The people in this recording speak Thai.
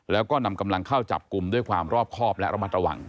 แล้วก็นำกำลังเข้าจับกลุ่มด้วยความรอบครอบและระมัดระวัง